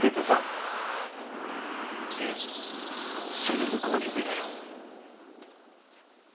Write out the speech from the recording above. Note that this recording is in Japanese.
でその向こうに海だよ。